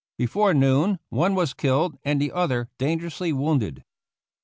Before noon one was killed and the other danger ously wounded.